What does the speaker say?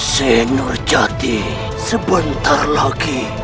senur jati sebentar lagi